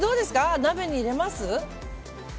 鍋に入れます？